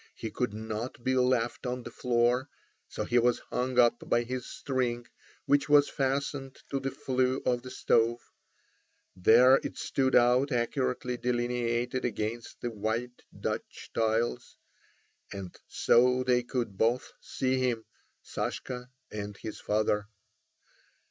He could not be left on the floor, so he was hung up by his string, which was fastened to the flue of the stove. There it stood out accurately delineated against the white Dutch tiles. And so they could both see him, Sashka and his father.